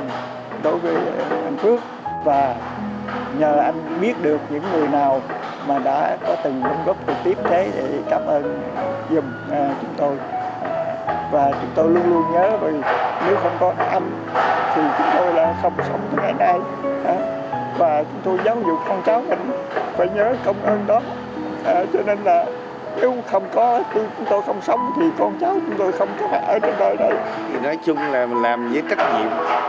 nói chung là mình làm với trách nhiệm